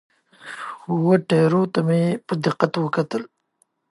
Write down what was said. وه ټیرو ته مې په دقت وکتل.